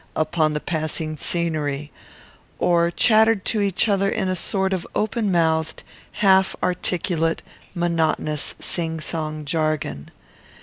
_ upon the passing scenery, or chattered to each other in a sort of open mouthed, half articulate, monotonous, singsong jargon.